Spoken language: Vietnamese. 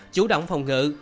chủ động phòng ngự